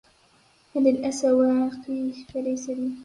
هل الأسى واقيه فليس لي